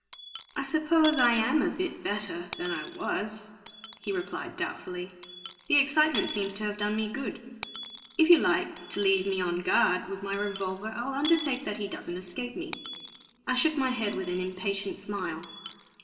"I suppose I am a bit better than I was," he replied doubtfully. "The excitement seems to have done me good. If you like to leave me on guard with my revolver, I'll undertake that he doesn't escape me." I shook my head with an impatient smile.